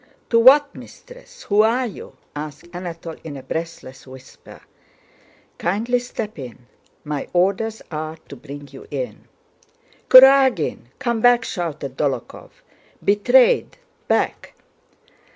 "To what Mistress? Who are you?" asked Anatole in a breathless whisper. "Kindly step in, my orders are to bring you in." "Kurágin! Come back!" shouted Dólokhov. "Betrayed! Back!"